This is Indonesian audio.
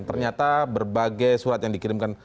ternyata berbagai surat yang dikirimkan